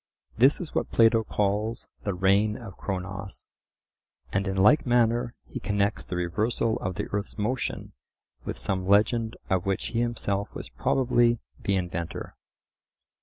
This is what Plato calls the "reign of Cronos;" and in like manner he connects the reversal of the earth's motion with some legend of which he himself was probably the inventor.